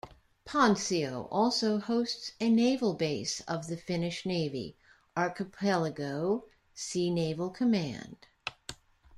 Pansio also hosts a naval base of the Finnish Navy, Archipelago Sea Naval Command.